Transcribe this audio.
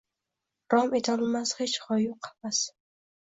Rom etolmas hech hoyu-havas